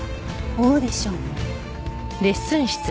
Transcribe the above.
オーディション？